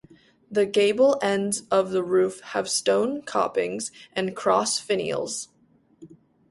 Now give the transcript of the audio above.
The gable ends of the roof have stone copings and cross finials.